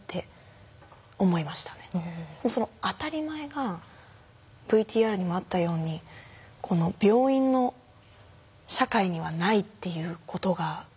その当たり前がＶＴＲにもあったように病院の社会にはないっていうことがすごく悲しいですね。